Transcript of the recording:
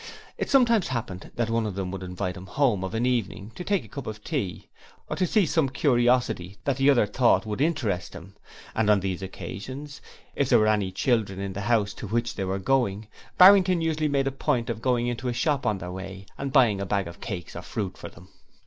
It sometimes happened that one of them would invite him home of an evening, to drink a cup of tea, or to see some curiosity that the other thought would interest him, and on these occasions if there were any children in the house to which they were going Barrington usually made a point of going into a shop on their way, and buying a bag of cakes or fruit for them.